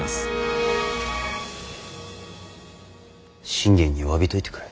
信玄に詫びといてくれ。